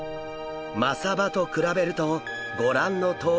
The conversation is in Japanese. マサバと比べるとご覧のとおり。